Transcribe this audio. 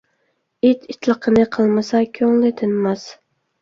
ئىت ئىتلىقىنى قىلمىسا كۆڭلى تىنماس.